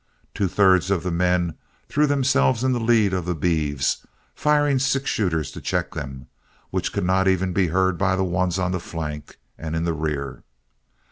Two thirds of the men threw themselves in the lead of the beeves, firing six shooters to check them, which could not even be heard by the ones on the flank and in the rear.